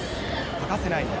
欠かせないのは？